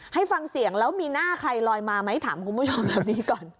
ให้ฟังเสียงแล้วมีหน้าใครลอยมาไหมถามคุณผู้ชมแบบนี้ก่อน